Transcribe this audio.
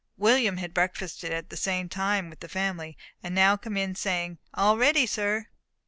William had breakfasted at the same time with the family, and now came in, saying, "All ready, sir."